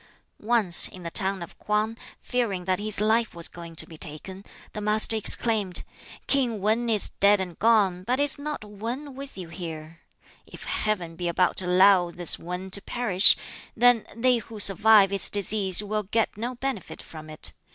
Once, in the town of K'wang fearing that his life was going to be taken, the Master exclaimed, "King Wan is dead and gone; but is not 'wan' with you here? If Heaven be about to allow this 'wan' to perish, then they who survive its decease will get no benefit from it.